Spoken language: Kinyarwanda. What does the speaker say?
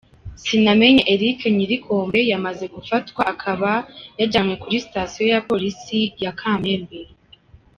Sinamenye Eric nyir’ikirombe yamaze gufatwa akaba yajyanywe kuri sitasiyo ya polisi ya Kamembe.